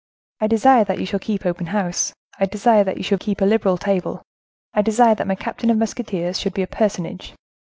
"I desire that you shall keep open house; I desire that you should keep a liberal table; I desire that my captain of musketeers should be a personage."